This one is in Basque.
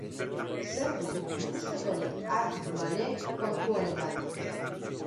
Zer du ikustekorik Hardmanek kontu honetan?